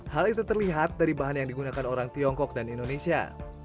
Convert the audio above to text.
hal itu terlihat dari bahan yang digunakan orang tiongkok dan indonesia